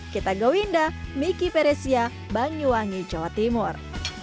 kita go winda miki peresia banyuwangi jawa timur